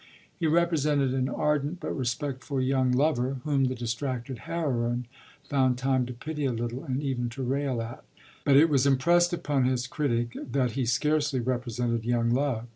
He represented an ardent but respectful young lover whom the distracted heroine found time to pity a little and even to rail at; but it was impressed upon his critic that he scarcely represented young love.